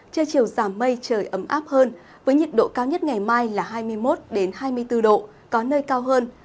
trưa chiều giảm mây trời ấm áp hơn với nhiệt độ cao nhất ngày mai là hai mươi một hai mươi bốn độ có nơi cao hơn